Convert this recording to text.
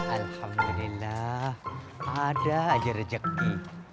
alhamdulillah ada aja rezeki